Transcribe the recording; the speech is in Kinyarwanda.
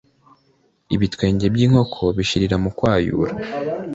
Ibitwenge by’inkoko bishirira mu kwayura.